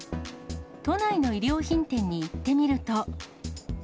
都内の衣料品店に行ってみると。